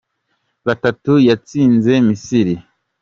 batatu yatsinze Misiri.